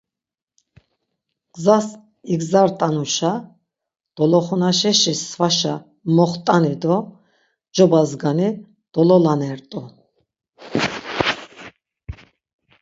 Gzas igzart̆anuşa doloxunaşeşi svaşa moxt̆ani do cobazgani dololanert̆u.